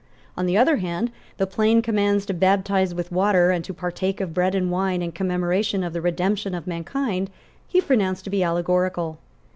On the other hand, the plain commands to baptize with water, and to partake of bread and wine in commemoration of the redemption of mankind, he pronounced to be allegorical.